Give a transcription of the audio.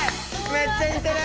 めっちゃにてる！